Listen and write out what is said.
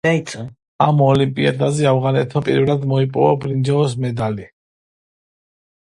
ამ ოლიმპიადაზე ავღანეთმა პირველად მოიპოვა ბრინჯაოს მედალი.